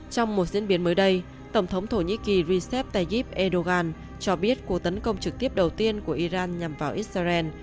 trong một diễn biến mới đây tổng thống thổ nhĩ kỳ recep tayyip erdogan cho biết cuộc tấn công trực tiếp đầu tiên của iran nhằm vào israel